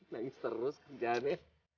nangis terus kerjaannya